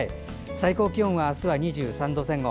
最高気温は２３度前後。